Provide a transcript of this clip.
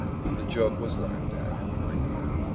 The joke was laughed at. And why not?